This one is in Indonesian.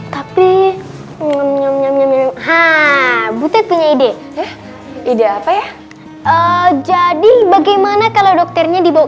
tapi nyam nyam nyam nyam ha butet punya ide ide apa ya jadi bagaimana kalau dokternya dibawa